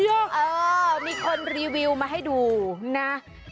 เออมีคนรีวิวมาให้ดูนะ